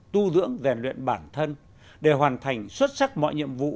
tu dưỡng rèn luyện bản thân để hoàn thành xuất sắc mọi nhiệm vụ